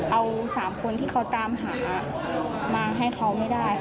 เอา๓คนที่เขาตามหามาให้เขาไม่ได้ค่ะ